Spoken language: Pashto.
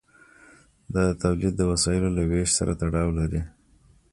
دا د تولید د وسایلو له ویش سره تړاو لري.